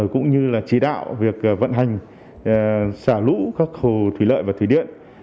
cũng như là chỉ đạo việc vận hành xả lũ các hồ thủy lợi và thủy điện